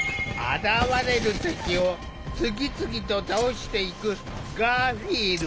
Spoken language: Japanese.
現れる敵を次々と倒していくガーフィール。